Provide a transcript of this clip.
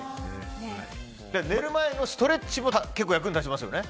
寝る前のストレッチも役に立ちますよね。